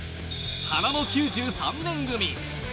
花の９３年組。